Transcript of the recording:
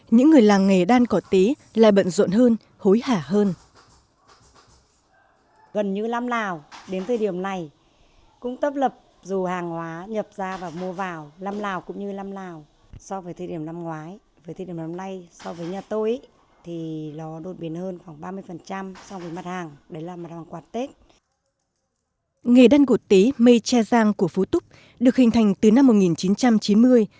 nghề đăn cổ tế mê tre giang của phú túc được hình thành từ năm một nghìn chín trăm chín mươi